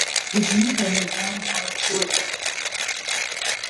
دوژمن له مهیدان ئهوه چووه دەر